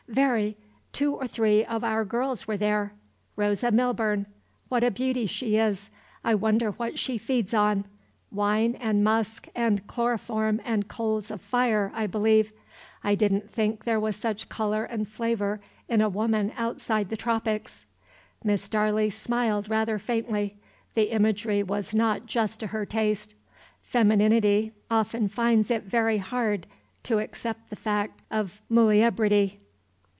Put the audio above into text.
"Very. Two or three of our girls were there. Rosa Milburn. What a beauty she is! I wonder what she feeds on! Wine and musk and chloroform and coals of fire, I believe; I didn't think there was such color and flavor in a woman outside the tropics." Miss Darley smiled rather faintly; the imagery was not just to her taste: femineity often finds it very hard to accept the fact of muliebrity.